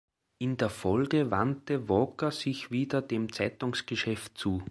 In der Folge wandte Walker sich wieder dem Zeitungsgeschäft zu.